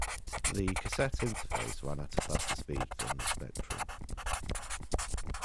The cassette interface ran at a faster speed than the Spectrum.